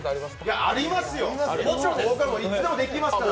いや、ありますよ、僕らいつでもできますから。